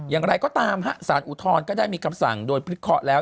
อย่างไรก็ตามฮะศาลอุทรก็ได้มีคำสั่งโดยพิทธิ์คอแล้ว